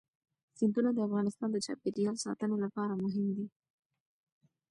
سیندونه د افغانستان د چاپیریال ساتنې لپاره مهم دي.